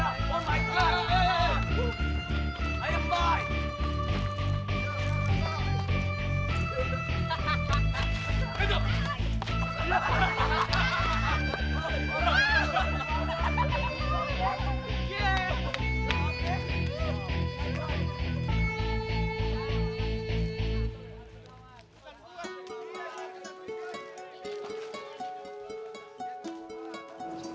lalu dia menangis